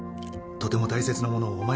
とても大切なものを